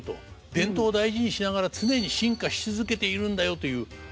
伝統を大事にしながら常に進化し続けているんだよという証しなのかもしれませんね。